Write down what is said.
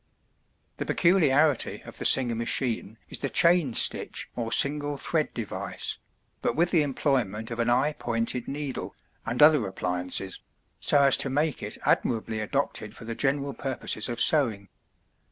The peculiarity of the Singer machine is the chain stitch or single thread device, but with the employment of an eye pointed needle, and other appliances, so as to make it admirably adopted for the general purposes of sewing.